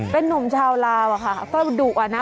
เป็นนุ่มชาวลาวอะค่ะก็ดุอ่ะนะ